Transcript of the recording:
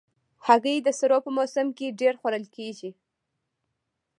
هګۍ د سړو په موسم کې ډېر خوړل کېږي.